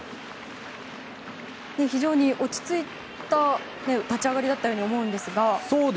非常に落ち着いた立ち上がりだったように思うんですが。